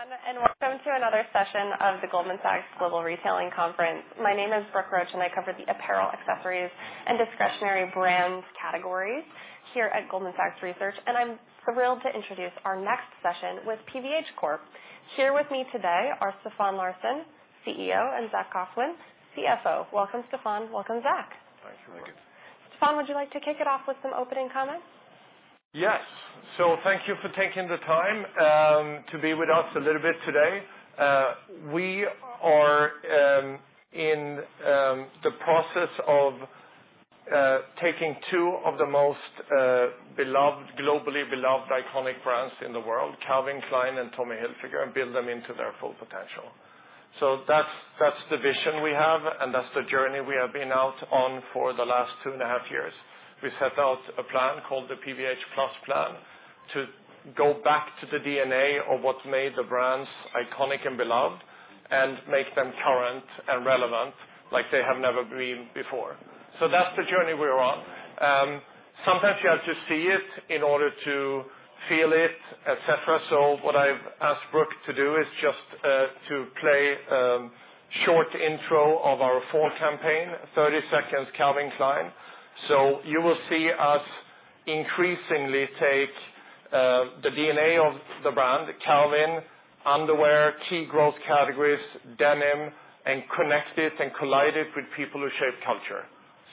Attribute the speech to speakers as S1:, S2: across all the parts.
S1: Welcome, and welcome to another session of the Goldman Sachs Global Retailing Conference. My name is Brooke Roach, and I cover the apparel, accessories, and discretionary brands categories here at Goldman Sachs Research, and I'm thrilled to introduce our next session with PVH Corp. Here with me today are Stefan Larsson, CEO, and Zac Coughlin, CFO. Welcome, Stefan. Welcome, Zac.
S2: Thank you.
S1: Thank you. Stefan, would you like to kick it off with some opening comments?
S2: Yes. So thank you for taking the time to be with us a little bit today. We are in the process of taking two of the most beloved, globally beloved iconic brands in the world, Calvin Klein and Tommy Hilfiger, and build them into their full potential. So that's, that's the vision we have, and that's the journey we have been out on for the last two and a half years. We set out a plan called the PVH+ Plan, to go back to the DNA of what made the brands iconic and beloved and make them current and relevant like they have never been before. So that's the journey we're on. Sometimes you have to see it in order to feel it, et cetera. So what I've asked Brooke to do is just to play a short intro of our fall campaign, 30 seconds Calvin Klein. You will see us increasingly take the DNA of the brand, Calvin underwear, key growth categories, denim, and connect it and collide it with people who shape culture.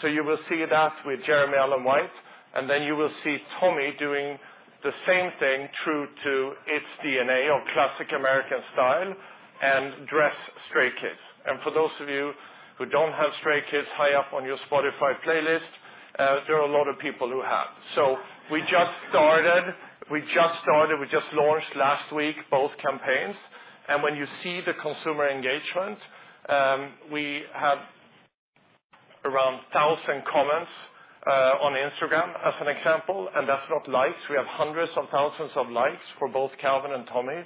S2: You will see that with Jeremy Allen White, and then you will see Tommy doing the same thing, true to its DNA of classic American style and dressing Stray Kids. For those of you who don't have Stray Kids high up on your Spotify playlist, there are a lot of people who have. We just started, we just launched last week, both campaigns. When you see the consumer engagement, we had around 1,000 comments on Instagram as an example, and that's not likes. We have hundreds of thousands of likes for both Calvin and Tommy,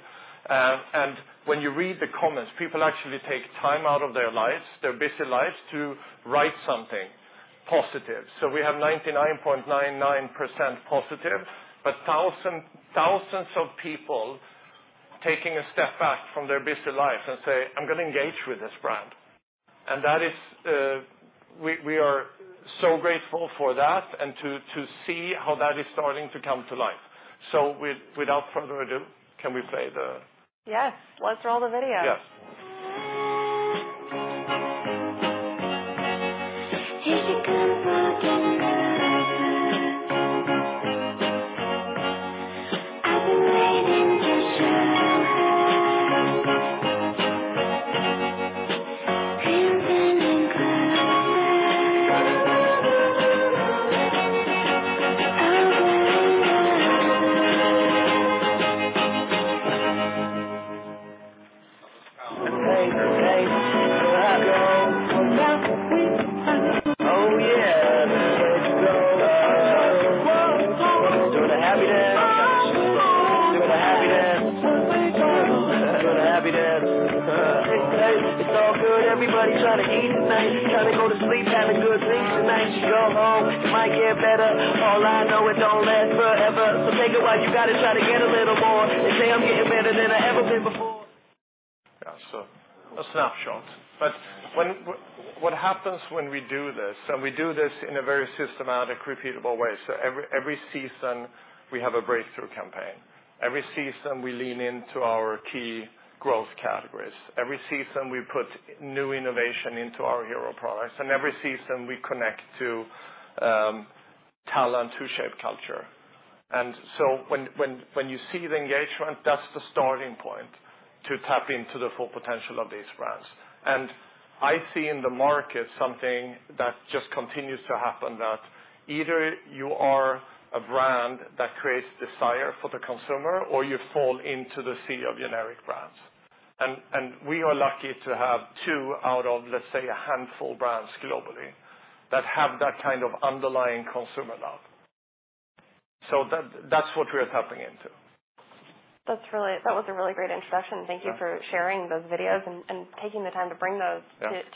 S2: and when you read the comments, people actually take time out of their lives, their busy lives, to write something positive. So we have 99.99% positive, but thousands of people taking a step back from their busy lives and say, "I'm gonna engage with this brand," and that is, we are so grateful for that and to see how that is starting to come to life, so without further ado, can we play the-
S1: Yes. Let's roll the video.
S2: Yes. Here she comes, my desire. I've been waiting to share. Feeling closer. I'm getting better. Hey, hey, here I go. Oh, yeah, let's go. Doing a happy dance. Hey, it's all good. Everybody trying to eat tonight. Trying to go to sleep, having good sleep tonight. You go home, it might get better. All I know it don't last forever. So take it while you got it to try to get a little more. They say I'm getting better than I've ever been before. Yeah, so a snapshot. But what happens when we do this, and we do this in a very systematic, repeatable way, so every season we have a breakthrough campaign. Every season, we lean into our key growth categories. Every season, we put new innovation into our hero products, and every season we connect to talent who shape culture. And so when you see the engagement, that's the starting point to tap into the full potential of these brands, and I see in the market something that just continues to happen, that either you are a brand that creates desire for the consumer or you fall into the sea of generic brands, and we are lucky to have two out of, let's say, a handful brands globally that have that kind of underlying consumer love. So that's what we are tapping into.
S1: That was a really great introduction. Thank you for sharing those videos and taking the time to bring those-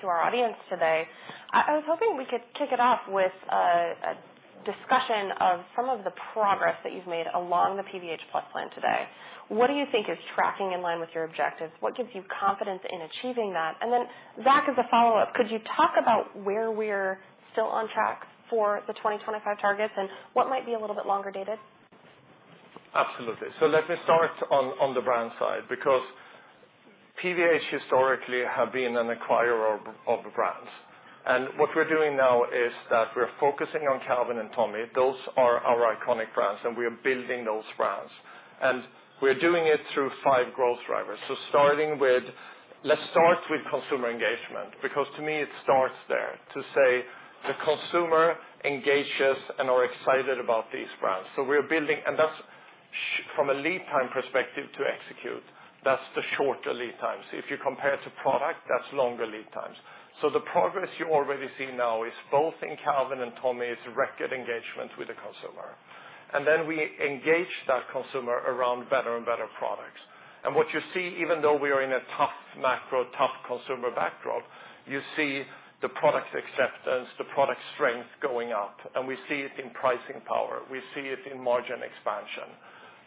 S1: to our audience today. I was hoping we could kick it off with a discussion of some of the progress that you've made along the PVH+ Plan today. What do you think is tracking in line with your objectives? What gives you confidence in achieving that? And then, Zac, as a follow-up, could you talk about where we're still on track for the 2025 targets and what might be a little bit longer dated?
S2: Absolutely. So let me start on the brand side, because PVH historically have been an acquirer of brands, and what we're doing now is that we're focusing on Calvin and Tommy. Those are our iconic brands, and we are building those brands, and we're doing it through five growth drivers, so starting with... Let's start with consumer engagement, because to me, it starts there, to say the consumer engages and are excited about these brands, so we're building..., and that's from a lead time perspective to execute, that's the shorter lead times. If you compare to product, that's longer lead times, so the progress you already see now is both in Calvin and Tommy, is record engagement with the consumer, and then we engage that consumer around better and better products, and what you see, even though we are in a tough-... Macro, tough consumer backdrop, you see the product acceptance, the product strength going up, and we see it in pricing power, we see it in margin expansion.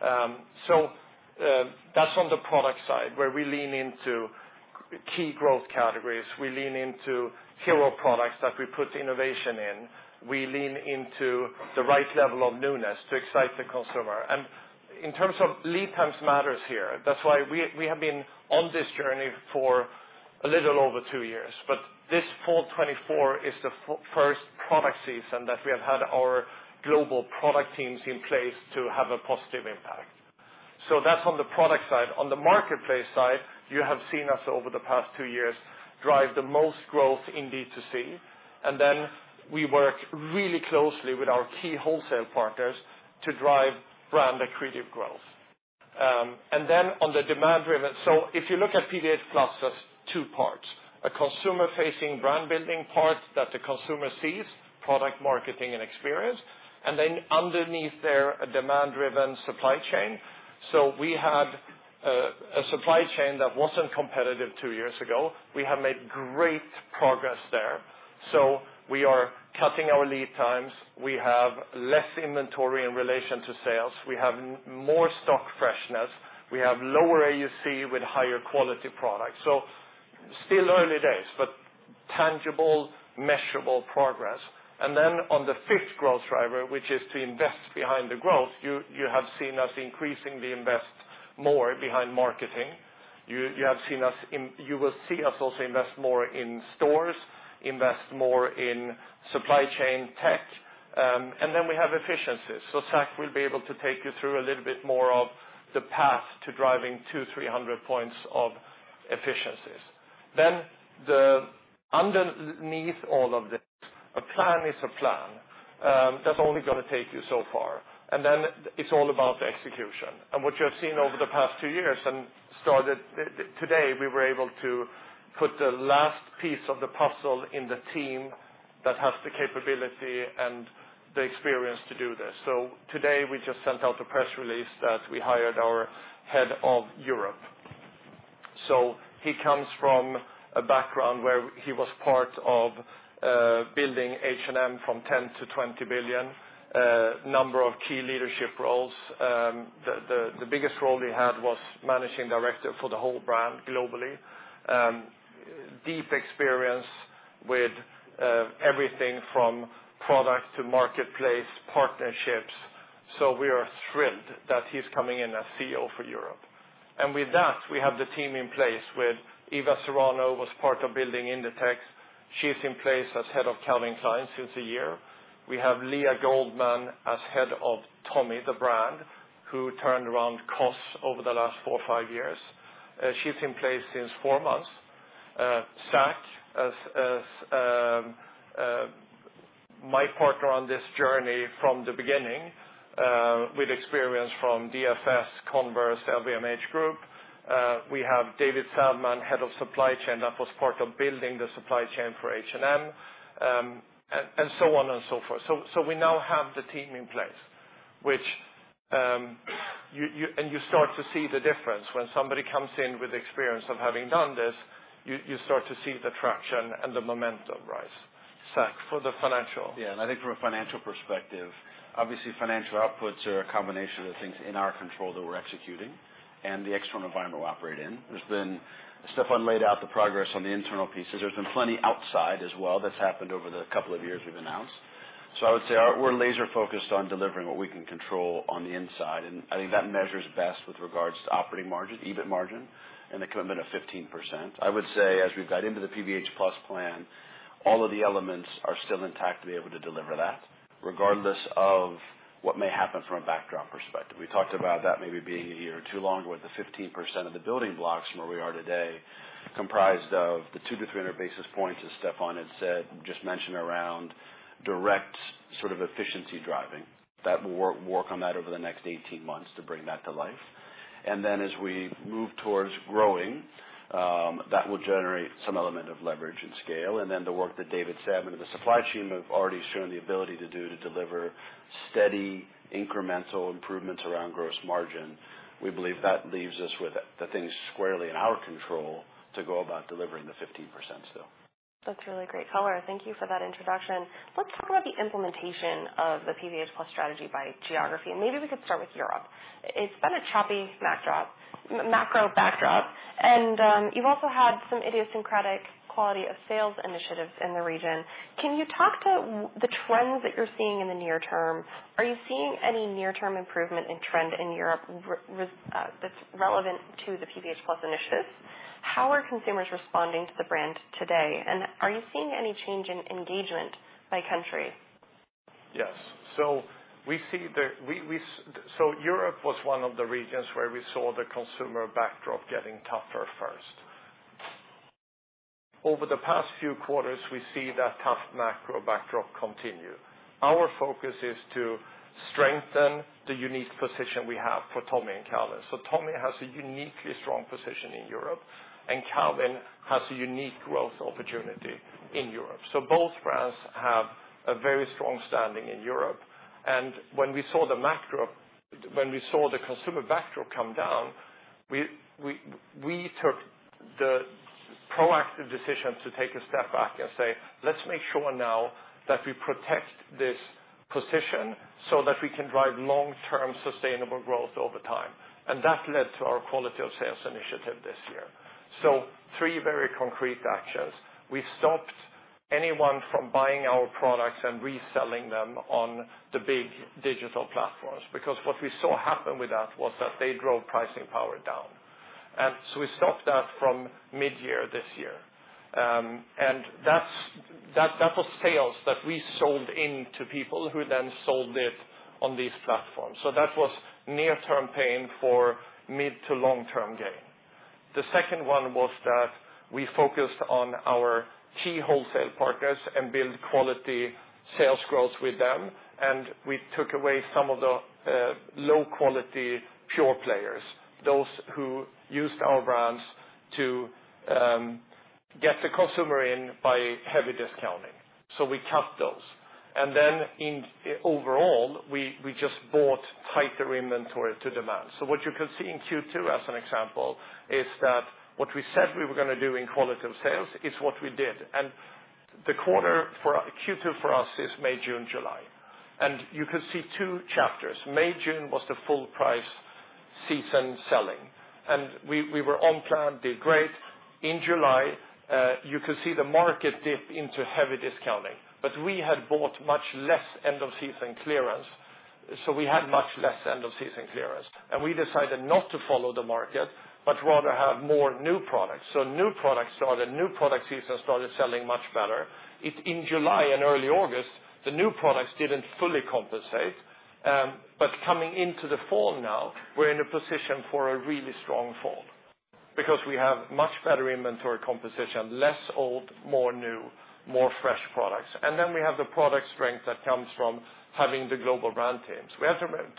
S2: That's on the product side, where we lean into key growth categories, we lean into hero products that we put innovation in. We lean into the right level of newness to excite the consumer. And in terms of lead times matters here, that's why we have been on this journey for a little over two years. But this fall 2024 is the first product season that we have had our global product teams in place to have a positive impact. So that's on the product side. On the marketplace side, you have seen us over the past two years drive the most growth in D2C, and then we work really closely with our key wholesale partners to drive brand accretive growth. And then on the demand-driven, so if you look at PVH+, there's two parts, a consumer-facing brand building part that the consumer sees, product, marketing, and experience, and then underneath there, a demand-driven supply chain. So we had a supply chain that wasn't competitive two years ago. We have made great progress there, so we are cutting our lead times, we have less inventory in relation to sales, we have more stock freshness, we have lower AUC with higher quality products. So still early days, but tangible, measurable progress. And then on the fifth growth driver, which is to invest behind the growth, you have seen us increasingly invest more behind marketing. You will see us also invest more in stores, invest more in supply chain tech, and then we have efficiencies. So Zac will be able to take you through a little bit more of the path to driving two, 300 points of efficiencies. Then underneath all of this, a plan is a plan. That's only gonna take you so far, and then it's all about the execution. And what you have seen over the past two years and started today, we were able to put the last piece of the puzzle in the team that has the capability and the experience to do this. Today, we just sent out a press release that we hired our head of Europe. He comes from a background where he was part of building H&M from 10-20 billion, number of key leadership roles. The biggest role he had was managing director for the whole brand globally. Deep experience with everything from product to marketplace, partnerships, so we are thrilled that he's coming in as CEO for Europe. With that, we have the team in place with Eva Serrano, was part of building Inditex. She's in place as head of Calvin Klein since a year. We have Lea Goldman as head of Tommy, the brand, who turned around costs over the last four or five years. She's in place since four months. Zac, as my partner on this journey from the beginning, with experience from DFS, Converse, LVMH Group. We have David Salmon, head of supply chain, that was part of building the supply chain for H&M, and so on and so forth, so we now have the team in place, which you start to see the difference. When somebody comes in with experience of having done this, you start to see the traction and the momentum rise. Zac, for the financial.
S3: Yeah, and I think from a financial perspective, obviously, financial outputs are a combination of things in our control that we're executing and the external environment we operate in. There's been... Stefan laid out the progress on the internal pieces. There's been plenty outside as well that's happened over the couple of years we've announced. So I would say we're laser focused on delivering what we can control on the inside, and I think that measures best with regards to operating margin, EBIT margin, and the commitment of 15%. I would say, as we've got into the PVH+ Plan, all of the elements are still intact to be able to deliver that, regardless of what may happen from a backdrop perspective. We talked about that maybe being a year or two longer, with the 15% of the building blocks from where we are today, comprised of the 200-300 basis points, as Stefan had said, just mentioned around direct sort of efficiency driving. That we'll work on that over the next 18 months to bring that to life. And then as we move towards growing, that will generate some element of leverage and scale. And then the work that David Salmon and the supply chain have already shown the ability to do to deliver steady, incremental improvements around gross margin. We believe that leaves us with the things squarely in our control to go about delivering the 15% still.
S1: That's a really great color. Thank you for that introduction. Let's talk about the implementation of the PVH+ strategy by geography, and maybe we could start with Europe. It's been a choppy backdrop, macro backdrop, and you've also had some idiosyncratic quality of sales initiatives in the region. Can you talk to the trends that you're seeing in the near term? Are you seeing any near-term improvement in trend in Europe, that's relevant to the PVH+ initiatives? How are consumers responding to the brand today, and are you seeing any change in engagement by country?
S2: Yes. So we see. So Europe was one of the regions where we saw the consumer backdrop getting tougher first. Over the past few quarters, we see that tough macro backdrop continue. Our focus is to strengthen the unique position we have for Tommy and Calvin. So Tommy has a uniquely strong position in Europe, and Calvin has a unique growth opportunity in Europe. So both brands have a very strong standing in Europe, and when we saw the consumer backdrop come down, we took the-... proactive decision to take a step back and say, "Let's make sure now that we protect this position, so that we can drive long-term sustainable growth over time." And that led to our quality of sales initiative this year. So three very concrete actions. We stopped anyone from buying our products and reselling them on the big digital platforms, because what we saw happen with that was that they drove pricing power down. And so we stopped that from midyear this year. And that was sales that we sold in to people who then sold it on these platforms. So that was near-term pain for mid to long-term gain. The second one was that we focused on our key wholesale partners and build quality sales growth with them, and we took away some of the low-quality pure players, those who used our brands to get the consumer in by heavy discounting, so we cut those. And then overall, we just bought tighter inventory to demand. So what you can see in Q2, as an example, is that what we said we were gonna do in quality of sales is what we did. And the quarter for Q2 for us is May, June, July. And you can see two chapters. May, June, was the full price season selling, and we were on plan, did great. In July, you could see the market dip into heavy discounting, but we had bought much less end-of-season clearance, so we had much less end-of-season clearance. We decided not to follow the market, but rather have more new products. So new products started, new product season started selling much better. In July and early August, the new products didn't fully compensate, but coming into the fall now, we're in a position for a really strong fall because we have much better inventory composition, less old, more new, more fresh products. And then we have the product strength that comes from having the global brand teams.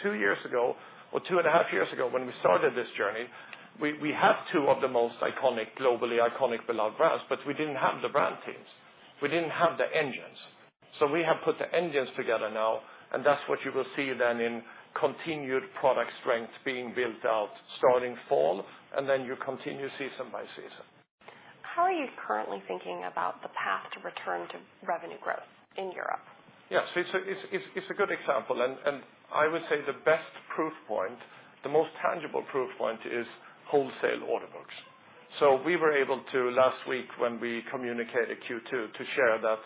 S2: Two years ago or two and a half years ago, when we started this journey, we had two of the most iconic, globally iconic, beloved brands, but we didn't have the brand teams. We didn't have the engines. So we have put the engines together now, and that's what you will see then in continued product strength being built out, starting fall, and then you continue season by season.
S1: How are you currently thinking about the path to return to revenue growth in Europe?
S2: Yes, it's a good example, and I would say the best proof point, the most tangible proof point is wholesale order books. So we were able to, last week, when we communicated Q2, to share that.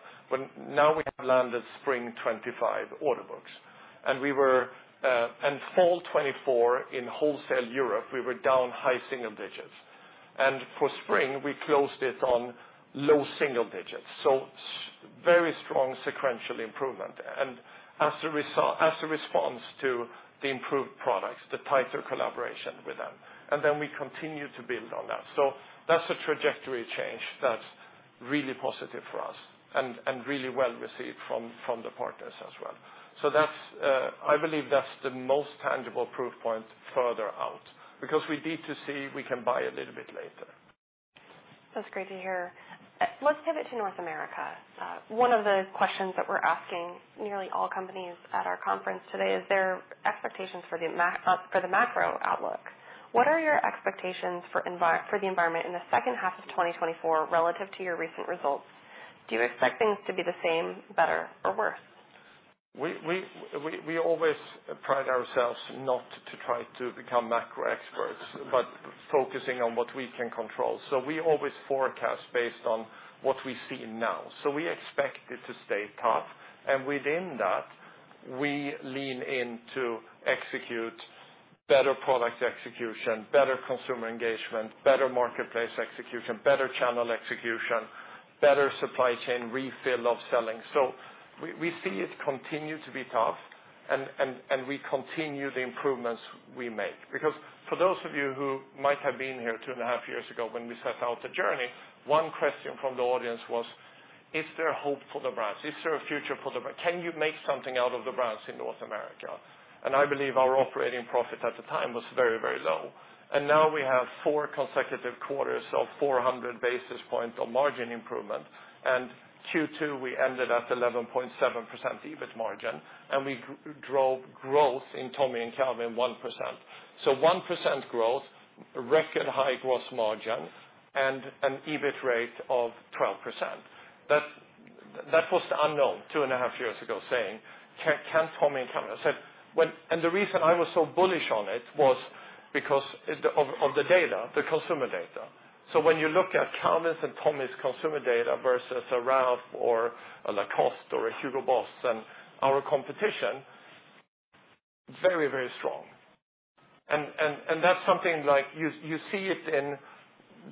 S2: Now we have landed spring 2025 order books. And fall 2024 in wholesale Europe, we were down high single digits. And for spring, we closed it on low single digits, so very strong sequential improvement. And as a response to the improved products, the tighter collaboration with them, and then we continue to build on that. So that's a trajectory change that's really positive for us and really well received from the partners as well. So that's, I believe, that's the most tangible proof point further out, because we need to see if we can buy a little bit later.
S1: That's great to hear. Let's pivot to North America. One of the questions that we're asking nearly all companies at our conference today is their expectations for the macro outlook. What are your expectations for the environment in the second half of 2024 relative to your recent results? Do you expect things to be the same, better or worse?
S2: We always pride ourselves not to try to become macro experts, but focusing on what we can control. So we always forecast based on what we see now. So we expect it to stay tough, and within that, we lean in to execute better product execution, better consumer engagement, better marketplace execution, better channel execution, better supply chain, retail selling. So we see it continue to be tough, and we continue the improvements we make. Because for those of you who might have been here two and a half years ago, when we set out the journey, one question from the audience was: Is there hope for the brands? Is there a future for the brands? Can you make something out of the brands in North America? And I believe our operating profit at the time was very, very low. Now we have four consecutive quarters of 400 basis points on margin improvement, and Q2, we ended at 11.7% EBIT margin, and we drove growth in Tommy and Calvin 1%. So 1% growth, a record high gross margin, and an EBIT rate of 12%. That was the unknown two and a half years ago, saying, "Can Tommy and Calvin..." I said. And the reason I was so bullish on it was because of the data, the consumer data. So when you look at Calvin's and Tommy's consumer data versus a Ralph or a Lacoste or a Hugo Boss and our competition, very, very strong. That's something, like, you see it in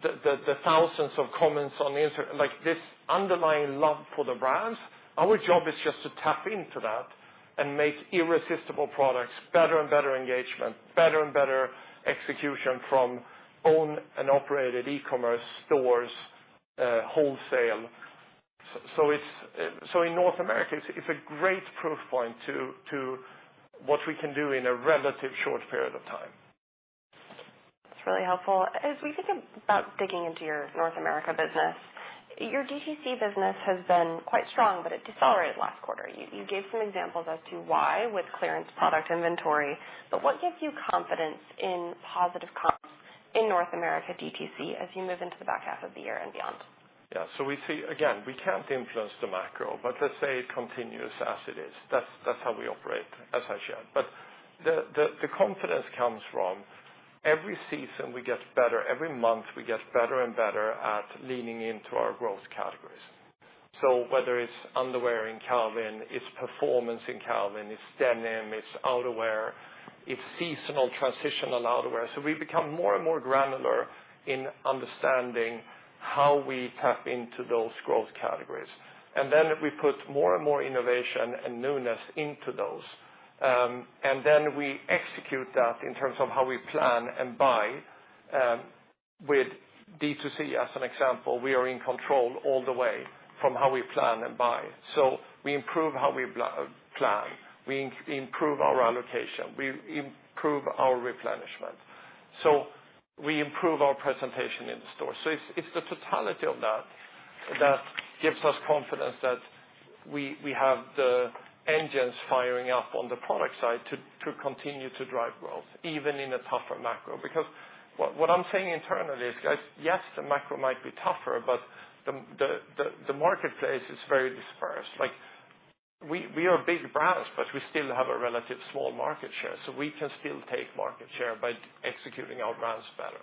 S2: the thousands of comments on the internet, like, this underlying love for the brands. Our job is just to tap into that and make irresistible products, better and better engagement, better and better execution from owned and operated e-commerce stores, wholesale. In North America, it's a great proof point to what we can do in a relatively short period of time.
S1: That's really helpful. As we think about digging into your North America business, your DTC business has been quite strong, but it decelerated last quarter. You gave some examples as to why, with clearance product inventory, but what gives you confidence in positive comps in North America DTC as you move into the back half of the year and beyond?
S2: Yeah, so we see, again, we can't influence the macro, but let's say it continues as it is. That's how we operate, as I shared. But the confidence comes from every season, we get better, every month, we get better and better at leaning into our growth categories. So whether it's underwear in Calvin, it's performance in Calvin, it's denim, it's outerwear, it's seasonal transitional outerwear. So we become more and more granular in understanding how we tap into those growth categories. And then we put more and more innovation and newness into those. And then we execute that in terms of how we plan and buy with D2C, as an example, we are in control all the way from how we plan and buy. So we improve how we plan, we improve our allocation, we improve our replenishment, so we improve our presentation in the store. So it's the totality of that that gives us confidence that we have the engines firing up on the product side to continue to drive growth, even in a tougher macro. Because what I'm saying internally is, guys, yes, the macro might be tougher, but the marketplace is very dispersed. Like, we are big brands, but we still have a relative small market share, so we can still take market share by executing our brands better.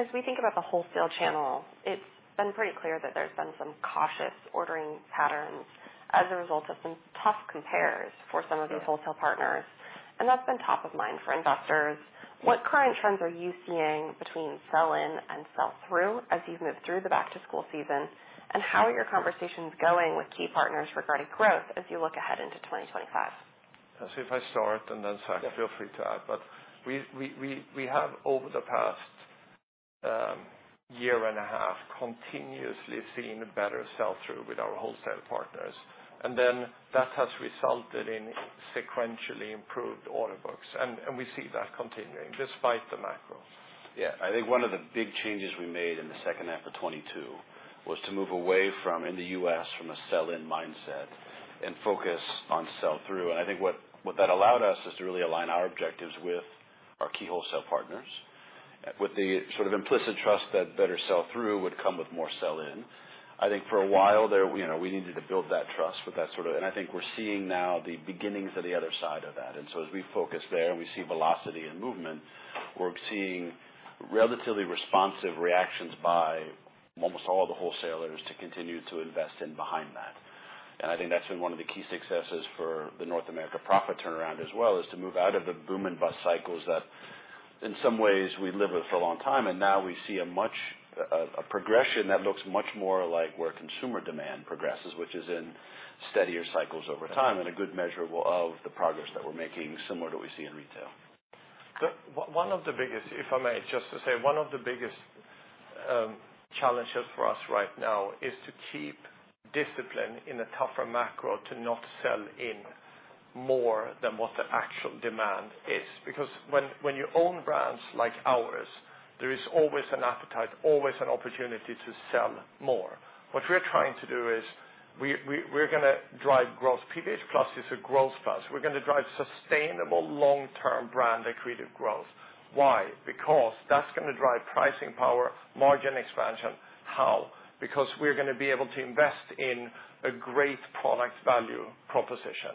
S1: As we think about the wholesale channel, it's been pretty clear that there's been some cautious ordering patterns as a result of some tough compares for some of these wholesale partners, and that's been top of mind for investors. What current trends are you seeing between sell-in and sell-through as you've moved through the back-to-school season? And how are your conversations going with key partners regarding growth as you look ahead into 2025?
S2: So if I start, and then, Zac, feel free to add, but we have over the past year and a half continuously seen a better sell-through with our wholesale partners. And then that has resulted in sequentially improved order books, and we see that continuing, despite the macro.
S3: Yeah, I think one of the big changes we made in the second half of 2022 was to move away from, in the U.S., from a sell-in mindset and focus on sell-through. And I think what that allowed us is to really align our objectives with our key wholesale partners, with the sort of implicit trust that better sell-through would come with more sell-in. I think for a while there, you know, we needed to build that trust with that sort of and I think we're seeing now the beginnings of the other side of that. And so as we focus there, we see velocity and movement. We're seeing relatively responsive reactions by almost all the wholesalers to continue to invest in behind that. I think that's been one of the key successes for the North America profit turnaround as well, is to move out of the boom and bust cycles that, in some ways, we lived with for a long time, and now we see a much progression that looks much more like where consumer demand progresses, which is in steadier cycles over time, and a good measurable of the progress that we're making, similar to we see in retail.
S2: One of the biggest, if I may, just to say, challenges for us right now is to keep discipline in a tougher macro to not sell in more than what the actual demand is. Because when you own brands like ours, there is always an appetite, always an opportunity to sell more. What we're trying to do is we're gonna drive growth. PVH+ is a growth plus. We're gonna drive sustainable long-term brand accretive growth. Why? Because that's gonna drive pricing power, margin expansion. How? Because we're gonna be able to invest in a great product value proposition.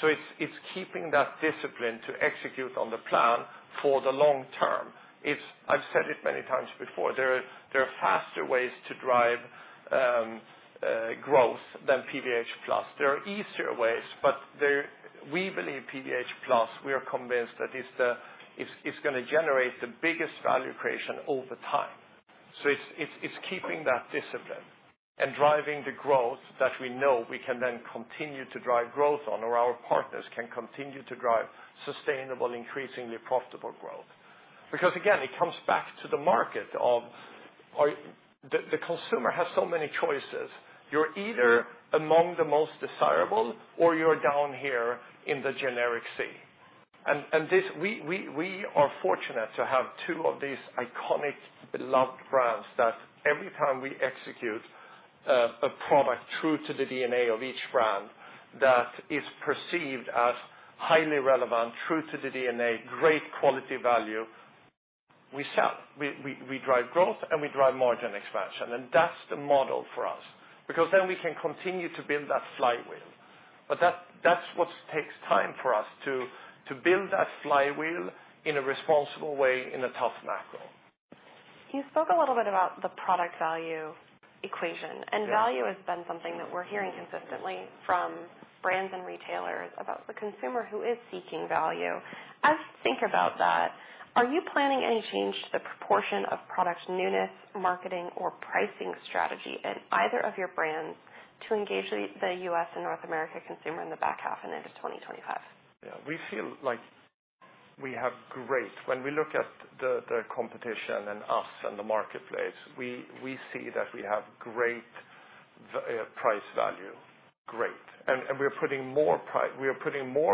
S2: So it's keeping that discipline to execute on the plan for the long term. I've said it many times before, there are faster ways to drive growth than PVH+. There are easier ways, but there... We believe PVH+, we are convinced that it's gonna generate the biggest value creation over time. So it's keeping that discipline and driving the growth that we know we can then continue to drive growth on, or our partners can continue to drive sustainable, increasingly profitable growth. Because, again, it comes back to the market of, the consumer has so many choices. You're either among the most desirable, or you're down here in the generic sea. And this, we are fortunate to have two of these iconic, beloved brands that every time we execute, a product true to the DNA of each brand, that is perceived as highly relevant, true to the DNA, great quality value, we sell. We drive growth, and we drive margin expansion, and that's the model for us, because then we can continue to build that flywheel. But that's what takes time for us, to build that flywheel in a responsible way in a tough macro.
S1: You spoke a little bit about the product value equation. And value has been something that we're hearing consistently from brands and retailers about the consumer who is seeking value. As you think about that, are you planning any change to the proportion of product newness, marketing, or pricing strategy in either of your brands to engage the US and North America consumer in the back half and into 2025?
S2: Yeah. We feel like we have great price value when we look at the competition and us and the marketplace. We see that we have great price value. And we're putting more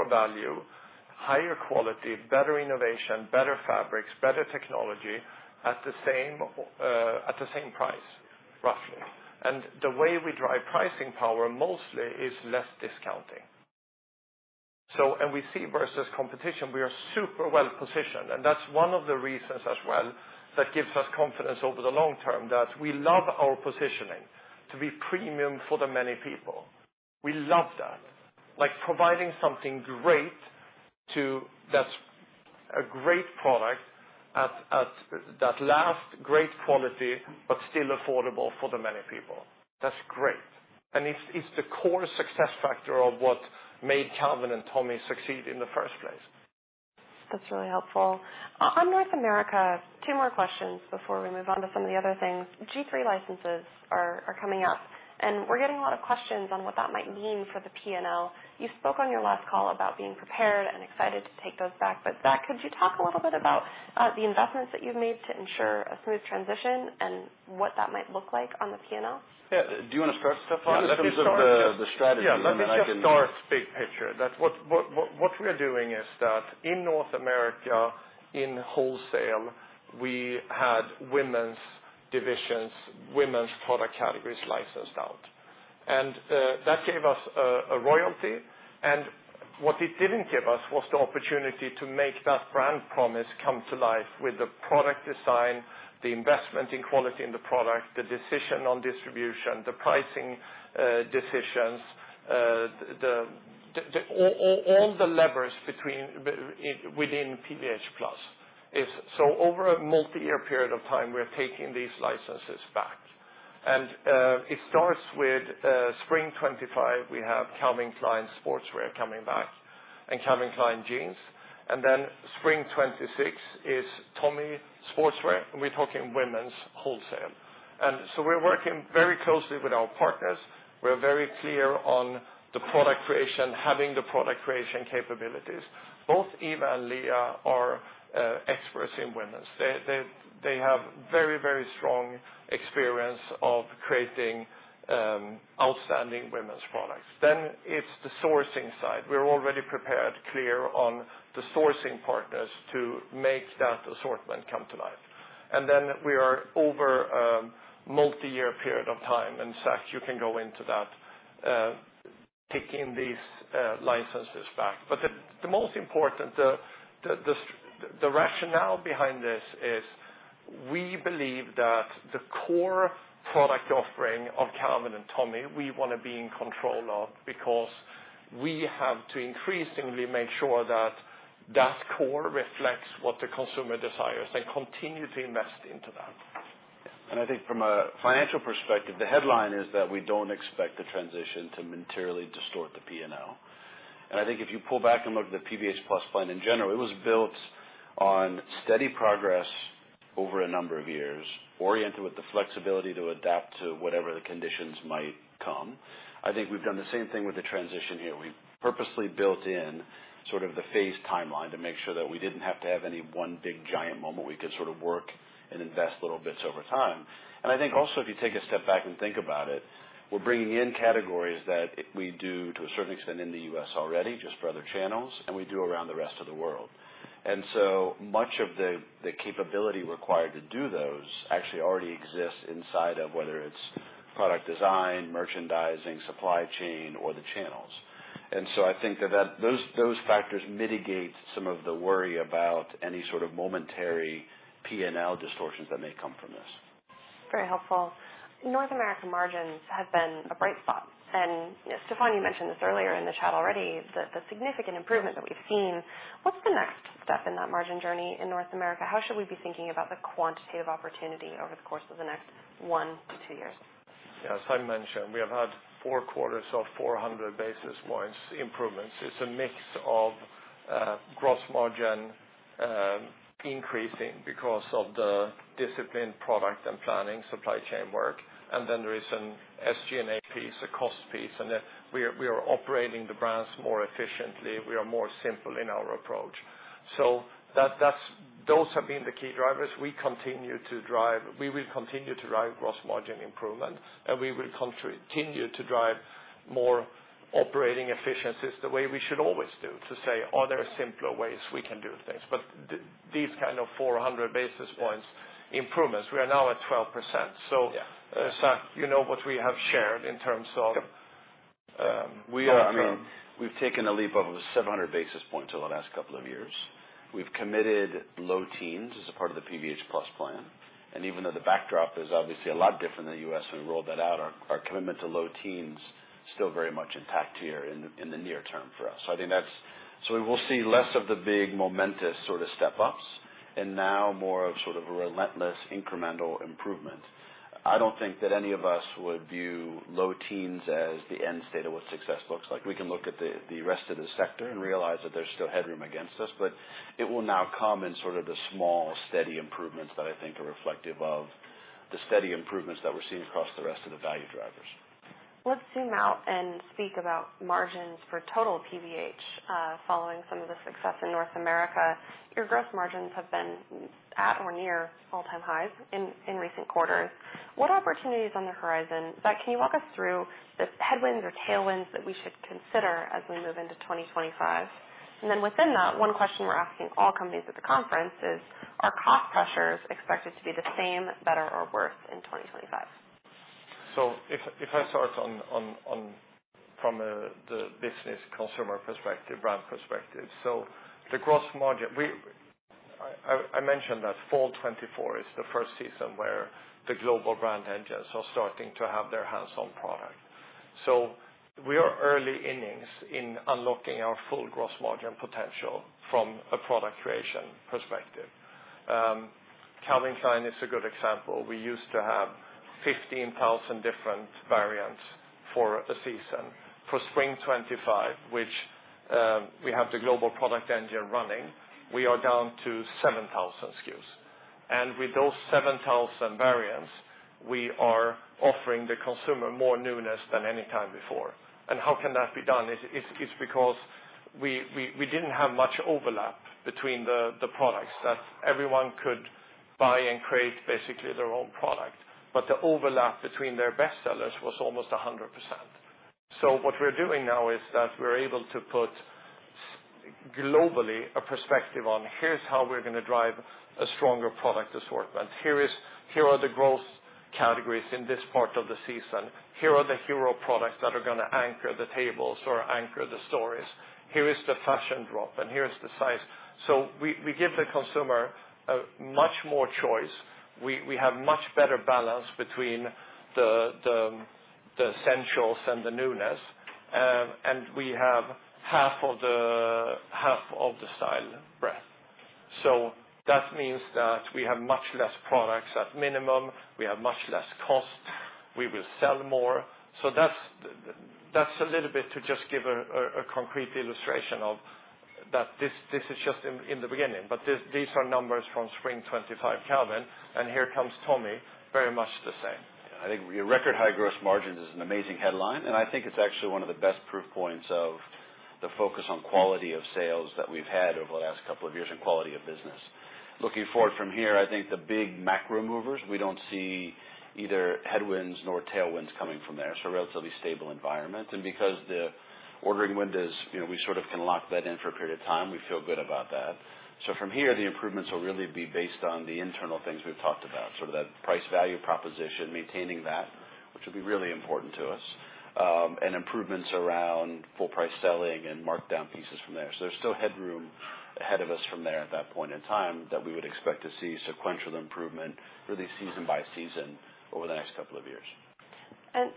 S2: value, higher quality, better innovation, better fabrics, better technology at the same price, roughly. And the way we drive pricing power mostly is less discounting. So we see versus competition, we are super well positioned, and that's one of the reasons as well that gives us confidence over the long term that we love our positioning to be premium for the many people. We love that. Like, providing something great that's a great product that lasts, great quality, but still affordable for the many people. That's great, and it's the core success factor of what made Calvin and Tommy succeed in the first place.
S1: That's really helpful. On North America, two more questions before we move on to some of the other things. G-III licenses are coming up, and we're getting a lot of questions on what that might mean for the P&L. You spoke on your last call about being prepared and excited to take those back, but Zac, could you talk a little bit about the investments that you've made to ensure a smooth transition and what that might look like on the P&L?
S3: Yeah, do you want to start, Stefan?
S2: Yeah, let me start-
S3: The strategy, and then I can-
S2: Yeah, let me just start big picture. That's what we are doing is that in North America, in wholesale, we had women's divisions, women's product categories licensed out. And that gave us a royalty, and what it didn't give us was the opportunity to make that brand promise come to life with the product design, the investment in quality in the product, the decision on distribution, the pricing decisions, all the levers within PVH+. So over a multi-year period of time, we're taking these licenses back. And it starts with spring 2025, we have Calvin Klein Sportswear coming back and Calvin Klein Jeans, and then spring 2026 is Tommy Sportswear, and we're talking women's wholesale. And so we're working very closely with our partners. We're very clear on the product creation, having the product creation capabilities. Both Eva and Lea are experts in women's. They have very strong experience of creating outstanding women's products. Then it's the sourcing side. We're already prepared, clear on the sourcing partners to make that assortment come to life. We are over multi-year period of time, and Zac, you can go into that, taking these licenses back. The most important rationale behind this is, we believe that the core product offering of Calvin and Tommy, we want to be in control of, because we have to increasingly make sure that core reflects what the consumer desires, and continue to invest into that.
S3: And I think from a financial perspective, the headline is that we don't expect the transition to materially distort the P&L. And I think if you pull back and look at the PVH+ Plan in general, it was built on steady progress over a number of years, oriented with the flexibility to adapt to whatever the conditions might come. I think we've done the same thing with the transition here. We've purposely built in sort of the phase timeline to make sure that we didn't have to have any one big, giant moment. We could sort of work and invest little bits over time. And I think also, if you take a step back and think about it, we're bringing in categories that we do to a certain extent in the U.S. already, just for other channels, and we do around the rest of the world. And so much of the capability required to do those actually already exists inside of whether it's product design, merchandising, supply chain, or the channels. And so I think that those factors mitigate some of the worry about any sort of momentary P&L distortions that may come from this.
S1: Very helpful. North American margins have been a bright spot, and Stefan, you mentioned this earlier in the chat already, the significant improvement that we've seen. What's the next step in that margin journey in North America? How should we be thinking about the quantitative opportunity over the course of the next 1-2 years?
S2: As I mentioned, we have had four quarters of 400 basis points improvements. It's a mix of gross margin increasing because of the disciplined product and planning, supply chain work. And then there is an SG&A piece, a cost piece, and we are operating the brands more efficiently. We are more simple in our approach. So that's those have been the key drivers. We will continue to drive gross margin improvement, and we will continue to drive more operating efficiencies the way we should always do, to say: Are there simpler ways we can do things? But these kind of 400 basis points improvements, we are now at 12%. So- Zac, you know what we have shared in terms of,
S3: Yep. We are. We've taken a leap of 700 basis points over the last couple of years. We've committed low teens as a part of the PVH+ Plan, and even though the backdrop is obviously a lot different than it was when we rolled that out, our commitment to low teens still very much intact here in the near term for us. So I think that's so we will see less of the big momentous sort of step ups, and now more of sort of a relentless incremental improvement. I don't think that any of us would view low teens as the end state of what success looks like. We can look at the rest of the sector and realize that there's still headroom against us, but it will now come in sort of the small, steady improvements that I think are reflective of the steady improvements that we're seeing across the rest of the value drivers....
S1: Let's zoom out and speak about margins for total PVH, following some of the success in North America. Your gross margins have been at or near all-time highs in recent quarters. What opportunities on the horizon, but can you walk us through the headwinds or tailwinds that we should consider as we move into 2025? And then within that, one question we're asking all companies at the conference is, are cost pressures expected to be the same, better, or worse in 2025?
S2: So if I start from the business consumer perspective, brand perspective. The gross margin, I mentioned that fall 2024 is the first season where the global brand engines are starting to have their hands-on product. So we are early innings in unlocking our full gross margin potential from a product creation perspective. Calvin Klein is a good example. We used to have 15,000 different variants for a season. For spring 2025, which we have the global product engine running, we are down to 7,000 SKUs, and with those 7,000 variants, we are offering the consumer more newness than any time before. And how can that be done? It's because we didn't have much overlap between the products that everyone could buy and create basically their own product, but the overlap between their best sellers was almost 100%. So what we're doing now is that we're able to put globally a perspective on here's how we're gonna drive a stronger product assortment. Here are the growth categories in this part of the season. Here are the hero products that are gonna anchor the tables or anchor the stories. Here is the fashion drop, and here is the size. So we give the consumer much more choice. We have much better balance between the essentials and the newness, and we have half of the style breadth. So that means that we have much less products. At minimum, we have much less cost. We will sell more. So that's a little bit to just give a concrete illustration of that. This is just in the beginning, but these are numbers from Spring 2025 Calvin, and here comes Tommy, very much the same.
S3: I think your record high gross margins is an amazing headline, and I think it's actually one of the best proof points of the focus on quality of sales that we've had over the last couple of years, and quality of business. Looking forward from here, I think the big macro movers, we don't see either headwinds nor tailwinds coming from there, so relatively stable environment, and because the ordering window is, you know, we sort of can lock that in for a period of time, we feel good about that, so from here, the improvements will really be based on the internal things we've talked about, sort of that price value proposition, maintaining that, which will be really important to us, and improvements around full price selling and markdown pieces from there. There's still headroom ahead of us from there at that point in time, that we would expect to see sequential improvement, really season by season, over the next couple of years.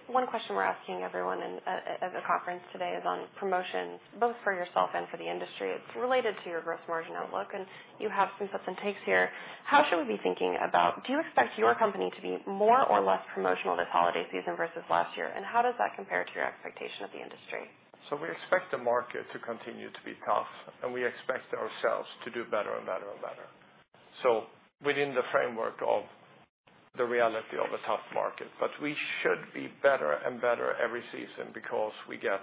S1: One question we're asking everyone in at the conference today is on promotions, both for yourself and for the industry. It's related to your gross margin outlook, and you have some gives and takes here. How should we be thinking about... Do you expect your company to be more or less promotional this holiday season versus last year, and how does that compare to your expectation of the industry?
S2: So we expect the market to continue to be tough, and we expect ourselves to do better and better and better, so within the framework of the reality of a tough market. But we should be better and better every season because we get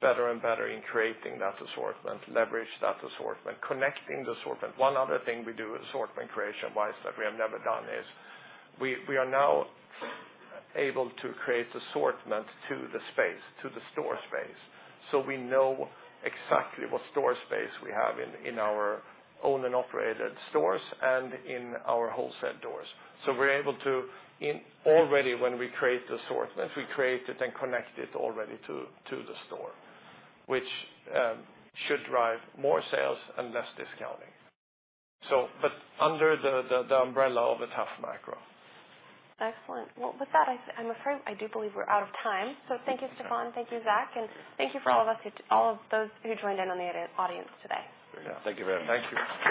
S2: better and better in creating that assortment, leverage that assortment, connecting the assortment. One other thing we do, assortment creation-wise, that we have never done is we are now able to create assortment to the space, to the store space, so we know exactly what store space we have in our owned and operated stores and in our wholesale stores. So we're able to already, when we create the assortment, we create it and connect it already to the store, which should drive more sales and less discounting, so but under the umbrella of a tough macro.
S1: Excellent. Well, with that, I'm afraid I do believe we're out of time. So thank you, Stefan. Thank you, Zac, and thank you from all of us to all of those who joined us in the audience today.
S3: Thank you very much.
S2: Thank you.